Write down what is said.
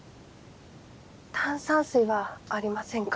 炭酸水はありませんか？